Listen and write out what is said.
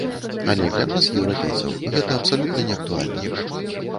Але для нас, еўрапейцаў, гэта абсалютна неактуальна.